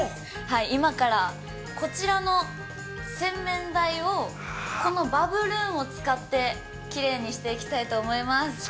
今から、こちらの洗面台をこのバブルーンを使って、きれいにしていきたいと思います。